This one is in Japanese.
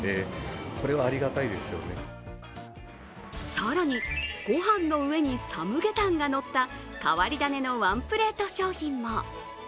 更にご飯の上にサムゲタンが乗った変わり種のワンプレート商品も。